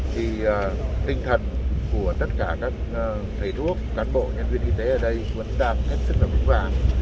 thì tinh thần của tất cả các thầy thuốc cán bộ nhân viên y tế ở đây vẫn đang hết sức là vững vàng